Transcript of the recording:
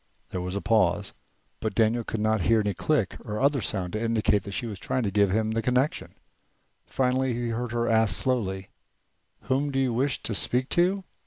There was a pause, but Daniel could not hear any click or other sound to indicate that she was trying to give him the connection. Finally he heard her ask slowly: "Whom do you wish to speak to?"